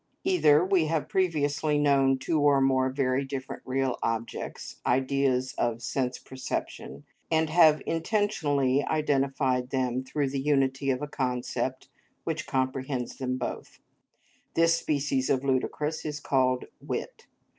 Either, we have previously known two or more very different real objects, ideas of sense perception, and have intentionally identified them through the unity of a concept which comprehends them both; this species of the ludicrous is called wit.